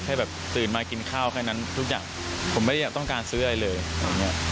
แค่ตื่นมากินข้าวทุกอย่างผมไม่ได้ต้องการซื้ออะไรเลย